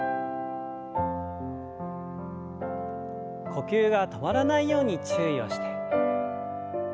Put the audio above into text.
呼吸が止まらないように注意をして。